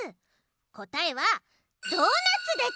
こたえは「ドーナツ」だち！